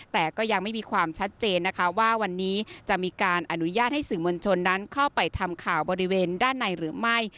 แต่ก็ยังไม่มีความชัดเจนนะคะว่าวันนี้จะมีการอนุญาตให้สื่อมวลชนนั้นเข้าไปทำข่าวบริเวณด้านในหรือไม่